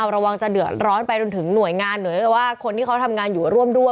ระวังจะเดือดร้อนไปจนถึงหน่วยงานหน่วยหรือว่าคนที่เขาทำงานอยู่ร่วมด้วย